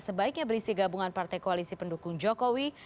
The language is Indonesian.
sebaiknya berisi gabungan partai koalisi pendukung jokowi